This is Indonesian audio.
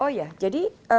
oh ya jadi